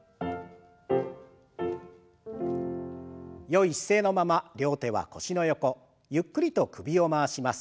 よい姿勢のまま両手は腰の横ゆっくりと首を回します。